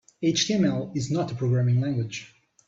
HTML is not a programming language.